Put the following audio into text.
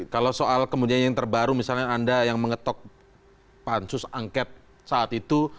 kalau soal kemudian yang terbaru misalnya anda yang mengetok pansus angket saat itu